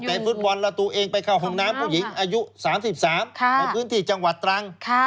ฟุตบอลแล้วตัวเองไปเข้าห้องน้ำผู้หญิงอายุ๓๓ในพื้นที่จังหวัดตรัง